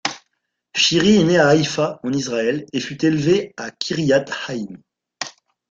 Shiri est née à Haïfa, en Israël et fut élevée à Kiryat Haïm.